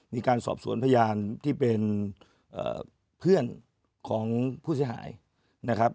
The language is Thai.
มีการสอบสวนพยานที่เป็นเพื่อนของผู้เสียหายนะครับ